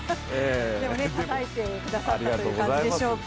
でもね、たたえてくださったという感じでしょうか。